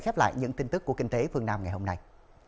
khép lại những tin tức của kinh tế phương nam ngày hôm nay